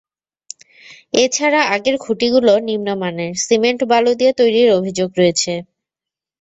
এ ছাড়া আগের খুঁটিগুলো নিম্নমানের সিমেন্ট বালু দিয়ে তৈরির অভিযোগ রয়েছে।